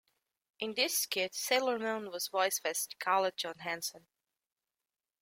In this skit, Sailor Moon was voiced by Scarlett Johansson.